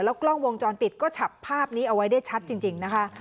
กล้องวงจรปิดก็จับภาพนี้เอาไว้ได้ชัดจริงนะคะ